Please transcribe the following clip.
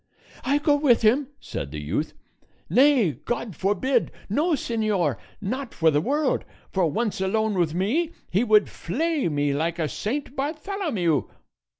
"I go with him!" said the youth. "Nay, God forbid! no, señor, not for the world; for once alone with me, he would flay me like a Saint Bartholomew."